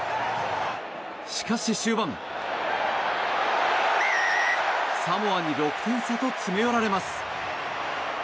しかし終盤、サモアに６点差と詰め寄られます。